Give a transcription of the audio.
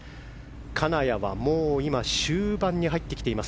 金谷は今、終盤に入ってきています。